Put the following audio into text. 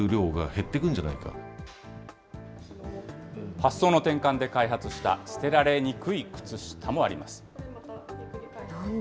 発想の転換で開発した捨てられにくい靴下もあります。